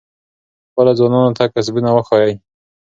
خپلو ځوانانو ته کسبونه وښایئ.